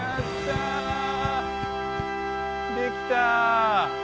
できた。